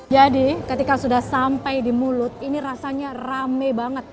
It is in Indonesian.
jadi ketika sudah sampai di mulut ini rasanya rame banget